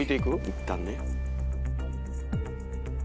いったんね。